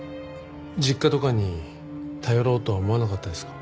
実家とかに頼ろうとは思わなかったんですか？